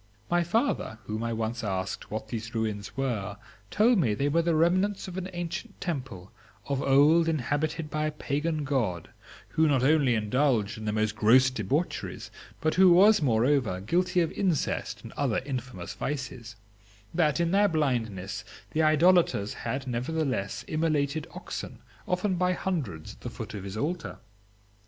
My father, whom I once asked what these ruins were, told me that they were the remnants of an ancient temple, of old inhabited by a Pagan God, who not only indulged in the most gross debaucheries, but who was, moreover, guilty of incest and other infamous vices; that in their blindness the idolators had, nevertheless, immolated oxen, often by hundreds, at the foot of his altar.